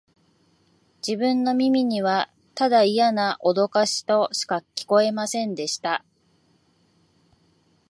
自分の耳には、ただイヤなおどかしとしか聞こえませんでした